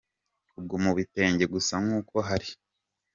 Ubwo mu bitenge gusa nkuko hari.